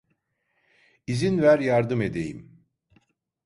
İzin ver yardım edeyim.